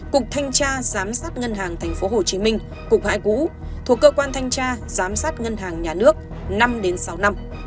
cục thanh cha giám sát ngân hàng tp hcm cục hải cũ thuộc cơ quan thanh cha giám sát ngân hàng nhà nước năm đến sáu năm